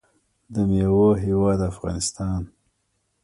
د میوو هیواد افغانستان.